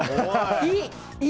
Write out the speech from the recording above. いい！